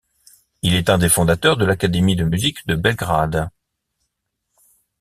Il est un des fondateurs de l'Académie de Musique de Belgrade.